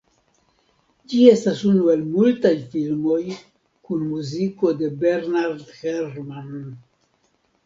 Ĝi estas unu el multaj filmoj kun muziko de Bernard Herrmann.